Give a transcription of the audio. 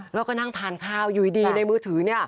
แล้วก็นั่งทานข้าวอยู่ดีในมือถือ